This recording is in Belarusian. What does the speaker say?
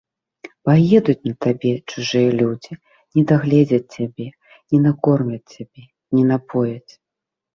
Паедуць на табе чужыя людзі, не дагледзяць цябе, не накормяць цябе, не напояць.